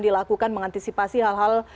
dilakukan mengantisipasi hal hal